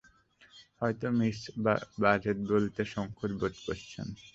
হয়তো মিস বোজেট বলতে সংকোচ বোধ করছেন।